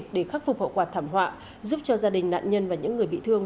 để khắc phục hậu quả thảm họa giúp cho gia đình nạn nhân và những người bị thương